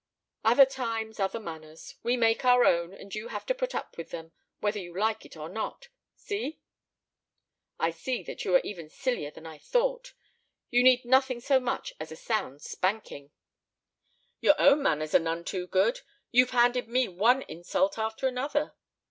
"Other times, other manners. We make our own, and you have to put up with them whether you like it or not. See?" "I see that you are even sillier than I thought. You need nothing so much as a sound spanking." "Your own manners are none too good. You've handed me one insult after another."